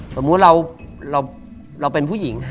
สมมุติว่าเราเป็นผู้หญิงค่ะ